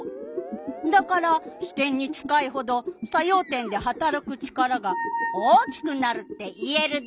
だから支点に近いほど作用点ではたらく力が大きくなるって言えるダーロ！